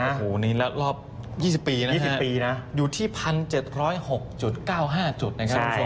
โอ้โหนี่แล้วรอบ๒๐ปีนะ๒๐ปีนะอยู่ที่๑๗๐๖๙๕จุดนะครับคุณผู้ชม